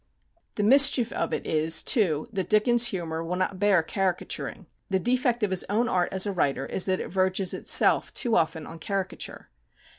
The mischief of it is, too, that Dickens' humour will not bear caricaturing. The defect of his own art as a writer is that it verges itself too often on caricature.